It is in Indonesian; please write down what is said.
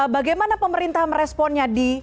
bagaimana pemerintah meresponnya di